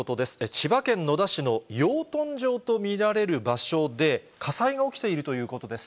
千葉県野田市の養豚場と見られる場所で、火災が起きているということです。